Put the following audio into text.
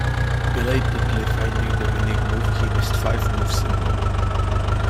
Belatedly finding the winning move he missed five moves ago.